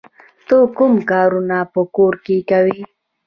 ته کوم کارونه په کور کې کوې؟